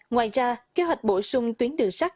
ngoài ra kế hoạch bổ sung tuyến đường sắt